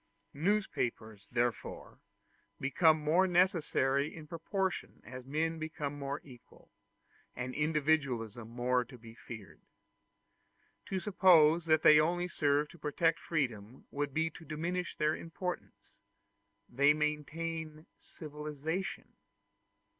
Newspapers therefore become more necessary in proportion as men become more equal, and individualism more to be feared. To suppose that they only serve to protect freedom would be to diminish their importance: they maintain civilization.